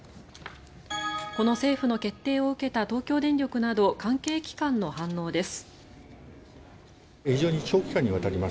この政府の決定を受けた東京電力など関係機関の反応です。